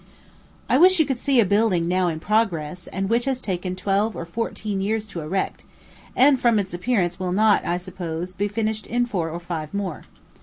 I wish you could see a building now in progress, and which has taken twelve or fourteen years to erect, and from its appearance will not, I suppose, be finished in four or five more.